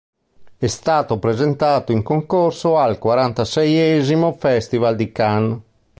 È stato presentato in concorso al Quarantaseiesimo Festival di Cannes.